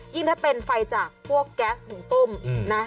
ถ้าเป็นไฟจากพวกแก๊สหุงต้มนะ